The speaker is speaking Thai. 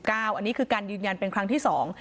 อันนี้คือการยืนยันเป็นครั้งที่สอง